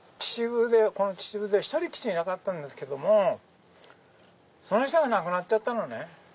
この秩父で一人しかいなかったんですけどもその人が亡くなっちゃったのね。